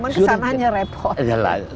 cuma kesananya repot